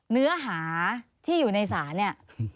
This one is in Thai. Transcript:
เนื้อหาที่อยู่ในศาลเนี่ย